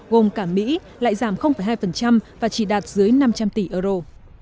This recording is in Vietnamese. gồm cả mỹ lại giảm hai và chỉ đạt dưới năm trăm linh tỷ euro